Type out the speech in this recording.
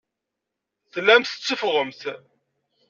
Tellamt tetteffɣemt.